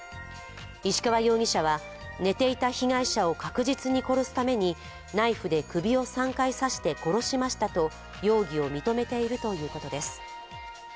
石川容疑者は、寝ていた被害者を確実に殺すためにナイフで首を３回刺して殺しましたと容疑を認めているということです。